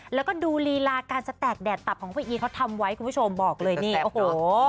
แล้วก็ดูลีลาการสแตกแดดตับของพี่อีเขาทำไว้คุณผู้ชมบอกเลยนี่โอ้โห